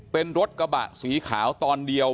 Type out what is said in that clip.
เป็นรถกระบะสีขาวตอนเดียว